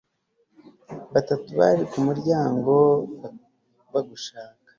batatu bari ku muryango bagushaka